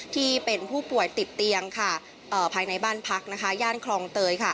ที่เป็นผู้ป่วยติดเตียงภายในบ้านพักย่านคลองเตย